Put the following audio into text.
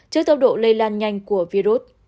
trước tốc độ lây lan nhanh của virus